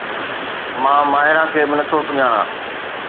مان ماهرا کي به نٿو سڃاڻان